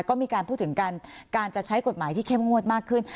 ก็มีการพูดถึงกันการจะใช้กฎหมายที่เข้มงวดมากขึ้น